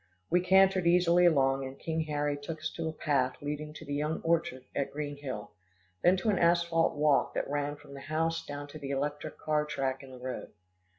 We cantered easily along, and King Harry took us to a path leading to the young orchard at Green Hill, then to an asphalt walk that ran from the house down to the electric car track in the road.